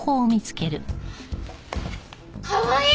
かわいい！